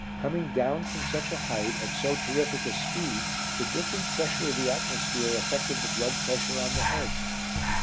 Coming down from such a height, at so terrific a speed, the different pressure of the atmosphere affected the blood pressure on the head.